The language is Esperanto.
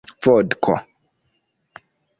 vodko